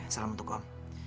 salam untuk om